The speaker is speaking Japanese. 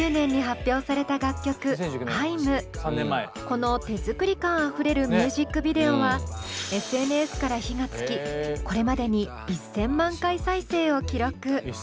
この手作り感あふれるミュージックビデオはＳＮＳから火がつきこれまでに１，０００万回再生を記録。